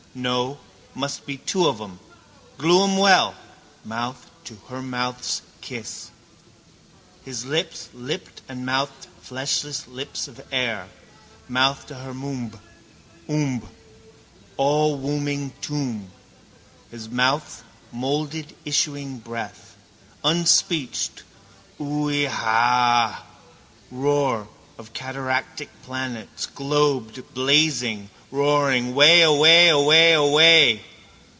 No. Must be two of em. Glue em well. Mouth to her mouth's kiss. His lips lipped and mouthed fleshless lips of air: mouth to her moomb. Oomb, allwombing tomb. His mouth moulded issuing breath, unspeeched: ooeeehah: roar of cataractic planets, globed, blazing, roaring wayawayawayawayaway.